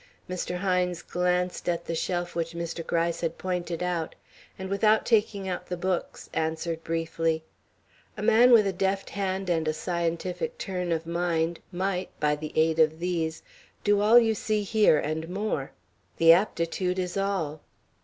Mr. Hines glanced at the shelf which Mr. Gryce had pointed out, and without taking out the books, answered briefly: "A man with a deft hand and a scientific turn of mind might, by the aid of these, do all you see here and more. The aptitude is all."